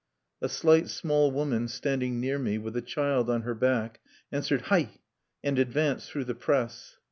A slight small woman standing near me, with a child on her back, answered, "Hai!" and advanced through the press.